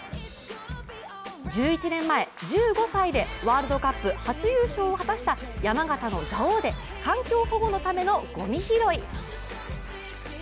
１１年前、１５歳でワールドカップ初優勝を果たした山形の蔵王で環境保護のためのごみ拾い。